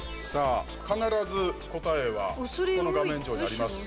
必ず答えはこの画面上にあります。